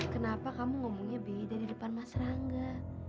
kenapa kamu ngomongnya beda di depan mas rangga